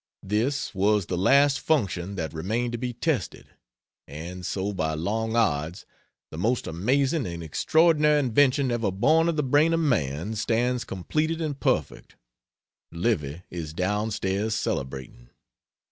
This was the last function that remained to be tested and so by long odds the most amazing and extraordinary invention ever born of the brain of man stands completed and perfect. Livy is down stairs celebrating.